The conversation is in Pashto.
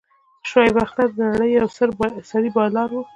شعیب اختر د نړۍ یو سريع بالر وو.